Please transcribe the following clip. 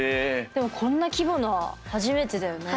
でもこんな規模のは初めてだよね。